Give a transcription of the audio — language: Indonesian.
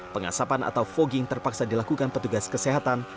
pengasapan atau fogging terpaksa dilakukan petugas kesehatan